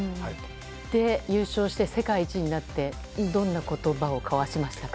で、優勝して世界一になってどんな言葉を交わしましたか？